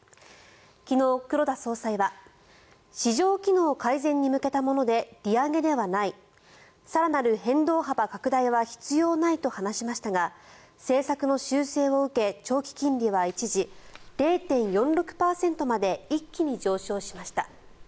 昨日、黒田総裁は市場機能改善に向けたもので利上げではない更なる変動幅拡大は必要ないと話しましたが政策の修正を受け長期金利は一時、０．４６％まで一気に上昇しました。